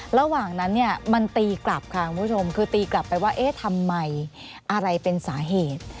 ระหว่างนั้นเนี่ยมันตีกลับค่ะคุณผู้ชมคือตีกลับไปว่าเอ๊ะทำไมอะไรเป็นสาเหตุ